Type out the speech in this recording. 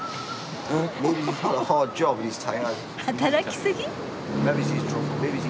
働き過ぎ？